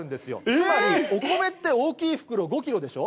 つまりお米って、大きい袋５キロでしょ？